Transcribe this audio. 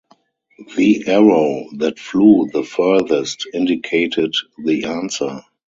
The arrow that flew the furthest indicated the answer.